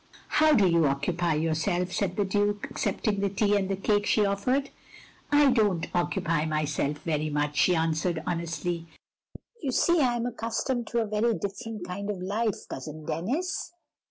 "" How do you occupy yourself? " said the Duke, accepting the tea and cake she offered. "I don't occupy myself very much," she answered, honestly. "You see I am accustomed to a very different kind of life. Cousin Denis.